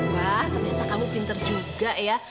wah ternyata kamu pinter juga ya